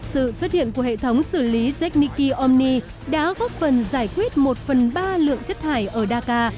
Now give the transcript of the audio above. sự xuất hiện của hệ thống xử lý zecniki omni đã góp phần giải quyết một phần ba lượng chất thải ở dhaka